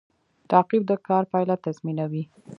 تعقیب د کار پایله تضمینوي